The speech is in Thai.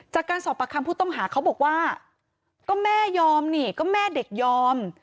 จากการสอบประคำผู้ต้องหาเขาบอกว่าก็แม่ยอมนี่ก็แม่เด็กยอม